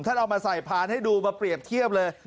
เอามาใส่พานให้ดูมาเปรียบเทียบเลย